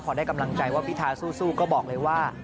พอได้กำลังใจว่าพิธาสู้ก็บอกเลยว่า